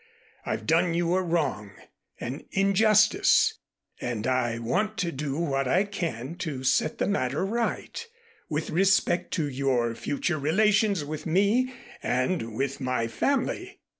I've done you a wrong an injustice, and I want to do what I can to set the matter right, with respect to your future relations with me and with my family.